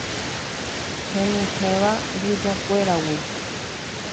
henyhẽva mbyjakuéragui